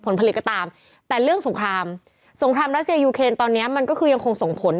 ผลผลิตก็ตามแต่เรื่องสงครามสงครามรัสเซียยูเคนตอนนี้มันก็คือยังคงส่งผล